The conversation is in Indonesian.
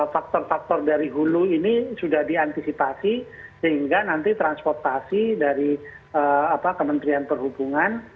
faktor faktor dari hulu ini sudah diantisipasi sehingga nanti transportasi dari kementerian perhubungan